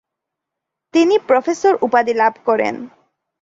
তিনি প্রফেসর উপাধি লাভ করেন।